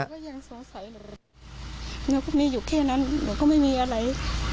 หนูพรุ่งนี้อยู่แค่นั้นหนูก็ไม่มีอะไร